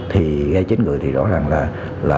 thì gây chết người thì rõ ràng là